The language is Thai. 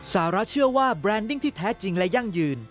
สหรัฐเชื่อว่าแบรนดิ้งที่แท้จริงและยั่งยืน